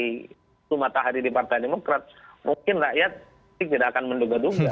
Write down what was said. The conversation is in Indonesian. itu matahari di partai demokrat mungkin rakyat tidak akan menduga duga